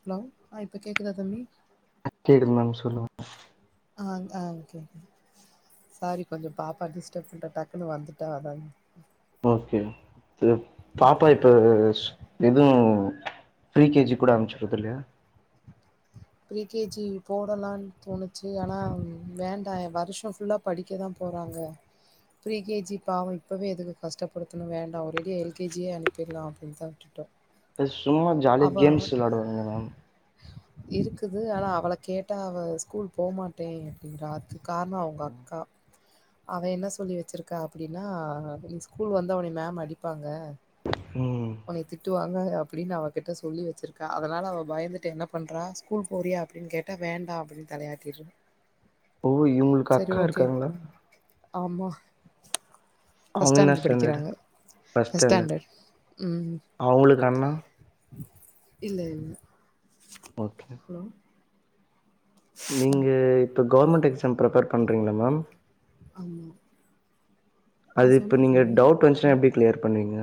hello ஆ இப்ப கேக்குதா தம்பி கேக்குது மேம் சொல்லுங்க ஆ ஆ கே சாரி கொஞ்சொ பாப்பா டிஸ்டப் பண்ட்டா டக்குன்னு வந்துட்டா அதாங் ஓகே து பாப்பா இப்ப எது ஃப்ரீ கே ஜி கூட அனுப்பிச்சுறதில்லையா ப்ரீ கே ஜி போடலான் தோணுச்சு ஆனா வேண்டா வருஷ ஃபுல்லா படிக்கதா போறாங்க ஃப்ரீ கே ஜி பாவ இப்பவே எதுக்கு கஷ்டப்படுத்தணு வேண்டா ஒரேடியா எல் கே ஜி யே அனுப்பிர்லா அப்டின்தா விட்டுட்டோ அது சும்மா ஜாலியா கேம்ஸ் விளாடுவாங்க மேம் இருக்கு து ஆனா அவள கேட்டா அவ ஸ்கூல் போமாட்டே அப்டின்றா அதுக் காரண அவுங்கக்கா அவ என்ன சொல்லி வெச்சிருக்கா அப்டின்னா நீ ஸ்கூல் வந்தா உன்னய மேம் அடிப்பாங்க ம் உனைய திட்டுவாங்க அப் பிடின்னு அவகிட்ட சொல்லி வெச்சிருக்கா அதனால அவ பயந்துட்டு என்ன பண்றா ஸ்கூல் போறியா அப்டின்னு கேட்டா வேண்டா அப்டின்னு தலையாட்டிர்றா ஓ இவுங்ளுக்கு அக்கா இருக்காங்ளா ஆமா ஃபஸ்ட் அவங்க என்ன ஸ்டாண்டர்ட் ஸ்டாண்டர்டு படிக்கிறாங்க ஃபஸ்ட் ஸ்டாண்டர்ட் ம் அவங்களுக்கு அண்ணா இல்ல இல்ல ஓகே ம் நீங்க கவ்ர்மண்ட் எக்ஸாம் ப்ரிப்பேர் பண்றீங்ள மேம் ஆமா ஆ அது இப்ப சொல்லுங்க நீங்க தம்பி டவுட் வந்ச்சுன்னா ம் எப்டி கிளியர் பண்ணுவீங்க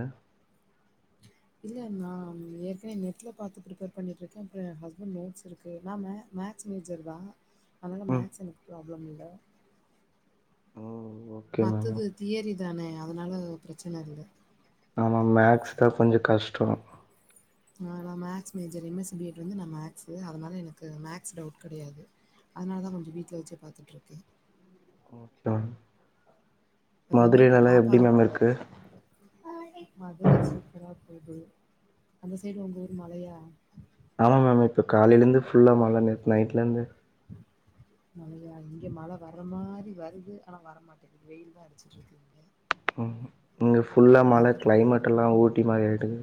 இல்ல நா ஏற்கனே நெட்ல பாத்து ப்ரிப்பேர் பண்ணிட்ருக்கே அப்றோ ஏ ஹஸ்பண்ட் நோட்ஸிருக்கு நா மே மேக்ஸ் மேஜர்தா அதால ம் மேக்ஸ் எனக் ப்ராப்ளம் இல்ல ஓ ஓகே மேம் மத்தது தியரி தானே அதனால ப்ரச்சன இல்ல ஆமா மேக்ஸ் தா கொஞ்ச கஷ்ட்டோ நானா maths major M S C B Ed வந்து நா மேக்ஸு அதனால எனக்கு மேக்ஸ் டவுட் கடையாது அதனாலதா கொஞ்ச வீட்ல வச்சே பாத்துட்ருக்கே ஓகே மேம் அதுவுமே இப்ப மதுரைலலா பாப்பா எப்டி மேம் இருக்கு மதுரை சூப்பரா போது அந்த சைடு உங்க ஊர் மழையா ஆமா மேம் இப்ப காலைலேந்து ஃபுல்லா மழ நேத் நைட்லேந்து மழையா இங்க மழ வர்ற மாரி வருது ஆனா வரமாட்டேங்குது வெயில்தா அடிச்சிட்ருக்கு இங்க ம் இங்க ஃபுல்லா மழ மதுர க்ளைமேட்டெல்லா ஊட்டி மாரி ஆயிட்டுக்கு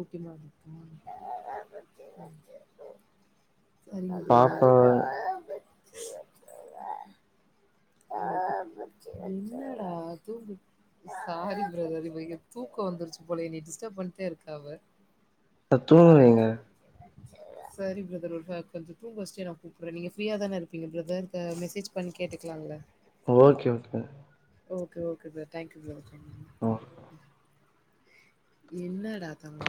ஊட்டி மார்ருக்கா பாப்பா [unintelligible] என்னடா தூங்கு சாரி ப்ரதர் இவ இங்க தூக்க வந்துருச்சு போல என்னிய டிஸ்டர்ப் பண்ணிட்டேருக்கா இவ அ தூங்கவைங்க சரி ப்ரதர் ஒரு கொஞ்ச தூங்க வச்சிட்டே நா கூப்பற்ற நீங்க ஃப்ரீயா தான இருப்பீங்க ப்ரதர் மெசேஜ் பண்ணி கேட்டுக்கலால்ல okay okay okay okay brother thank you ம் [unintelligible] என்னடா தங்கோ